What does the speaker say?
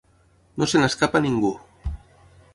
No se n’escapa ningú.